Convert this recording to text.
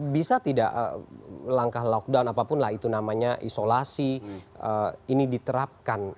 bisa tidak langkah lockdown apapun lah itu namanya isolasi ini diterapkan